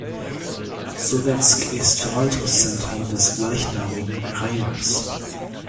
Sowetsk ist Verwaltungszentrum des gleichnamigen Rajons.